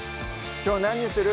きょう何にする？